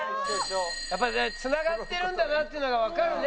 やっぱりね繋がってるんだなっていうのがわかるね。